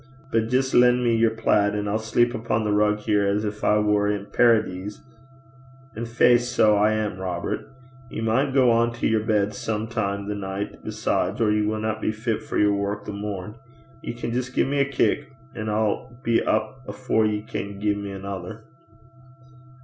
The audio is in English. But jist len' me yer plaid, an' I'll sleep upo' the rug here as gin I war i' Paradees. An' faith, sae I am, Robert. Ye maun gang to yer bed some time the nicht forby (besides), or ye winna be fit for yer wark the morn. Ye can jist gie me a kick, an' I'll be up afore ye can gie me anither.'